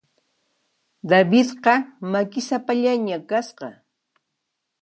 Davidqa makisapallaña kasqa.